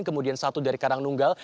kemudian satu dari karangnunggal